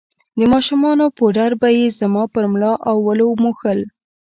د ماشومانو پوډر به يې زما پر ملا او ولو موښل.